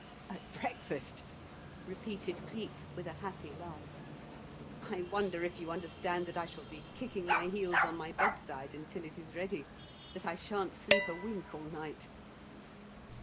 "At breakfast?" repeated Cleek, with a happy laugh. "I wonder if you understand that I shall be kicking my heels on my bedside until it is ready? that I shan't sleep a wink all night?"